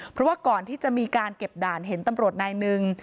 เพราะว่าก่อนที่จะมีการเก็บด่านเห็นตำรวจนายหนึ่ง